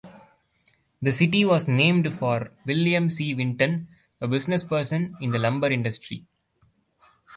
The city was named for William C. Winton, a businessperson in the lumber industry.